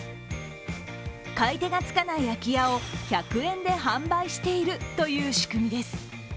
買い手がつかない空き家を１００円で販売しているという仕組みです。